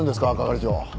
係長。